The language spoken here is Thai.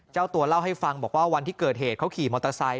เจ้าตัวเล่าให้ฟังบอกว่าวันที่เกิดเหตุเขาขี่มอเตอร์ไซค